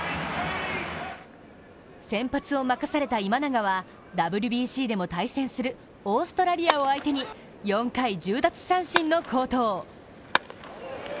先発を任された今永は、ＷＢＣでも対戦するオーストラリアを相手に４回１０奪三振の好投。